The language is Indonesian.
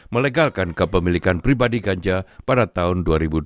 melegalkan kepemilikan pribadi ganja pada tahun dua ribu dua puluh